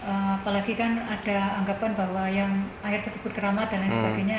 apalagi kan ada anggapan bahwa yang air tersebut keramat dan lain sebagainya